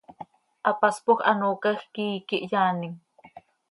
Hapaspoj hanoocaj quih iiqui hyaanim.